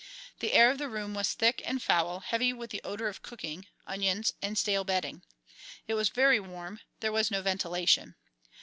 The air of the room was thick and foul, heavy with the odour of cooking, onions, and stale bedding. It was very warm; there was no ventilation.